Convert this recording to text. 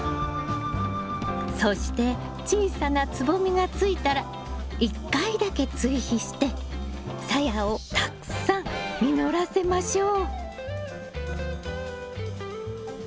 そして小さな蕾がついたら１回だけ追肥してさやをたくさん実らせましょう。